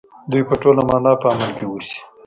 دوی په ټوله مانا په امن کې اوسي.